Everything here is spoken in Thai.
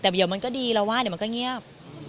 แต่เดี๋ยวมันก็ดีเราว่าเดี๋ยวมันก็เงียบ